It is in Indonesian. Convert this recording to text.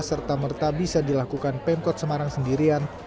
serta merta bisa dilakukan pemkot semarang sendirian